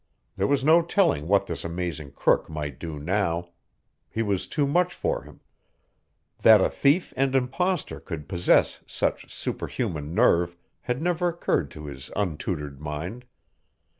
There was no telling what this amazing crook might do now. He was too much for him. That a thief and impostor could possess such superhuman nerve had never occurred to his untutored mind.